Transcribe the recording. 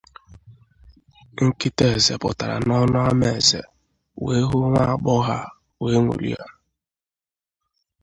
nkịta eze pụtara n’ọnụ ama eze wee hụ nwagbọghọ a wee ńụrịa